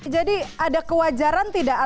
jadi ada kewajaran tidak